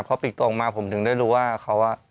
เพราะปิดตัวออกมาผมถึงได้รู้ว่า